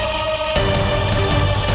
alhamdulillah ibu nda